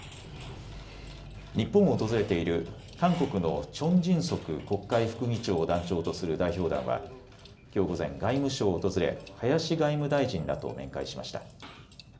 日本を訪れている韓国のチョン・ジンソク国会副議長を団長とする代表団はきょう午前、外務省を訪れ林外務大臣らと面会しました。